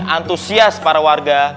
antusias para warga